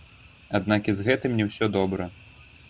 Аднак і з гэтым не ўсё добра.